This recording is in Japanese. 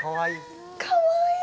かわいい。